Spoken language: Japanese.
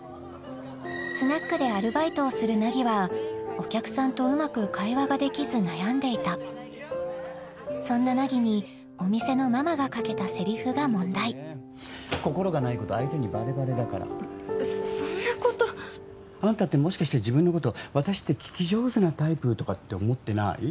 スナックでアルバイトをする凪はお客さんとうまく会話ができず悩んでいたそんな凪にお店のママがかけたセリフが問題心がないこと相手にバレバレだからそんなことあんたってもしかして自分のこと私って聞き上手なタイプとかって思ってなあい？